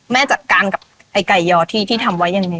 จัดการกับไอ้ไก่ยอที่ทำไว้ยังไง